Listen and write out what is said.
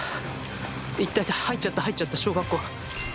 行った行った入っちゃった入っちゃった小学校。